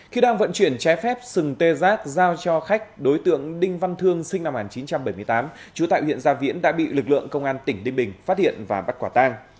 khi đang vận chuyển trái phép sừng tê giác giao cho khách đối tượng đinh văn thương sinh năm một nghìn chín trăm bảy mươi tám trú tại huyện gia viễn đã bị lực lượng công an tỉnh ninh bình phát hiện và bắt quả tang